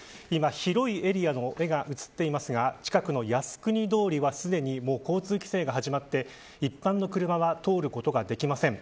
広いエリアの画が映っていますが近くの靖国通りはすでに交通規制が始まって一般の車は通ることができません。